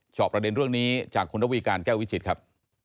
จอบประเด็นเรื่องนี้จากคุณระวีการแก้ววิจิตรครับ